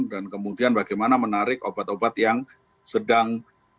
dan kemudian bagaimana menarik obat obat yang sedang